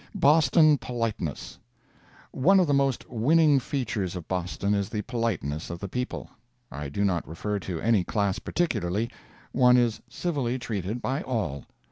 Boston Politeness. One of the most winning features of Boston is the politeness of the people. I do not refer to any class particularly. One is civilly treated by all.